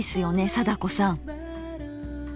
貞子さん。